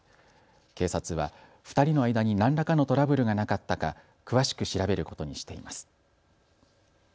警察は２人の間に何らかのトラブルがなかったか詳しく調べることにしています。